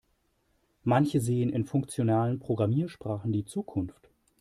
Manche sehen in funktionalen Programmiersprachen die Zukunft.